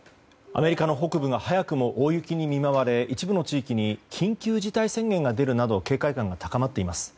アメリカの北部が早くも大雪に見舞われ一部の地域に緊急事態宣言が出るなど警戒感が高まっています。